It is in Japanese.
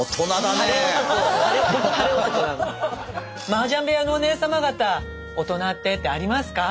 マージャン部屋のおねえ様方「大人って」ってありますか？